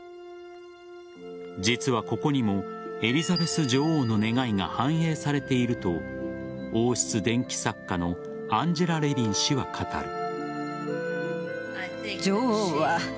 実はここにもエリザベス女王の願いが反映されていると王室伝記作家のアンジェラ・レビン氏は語る。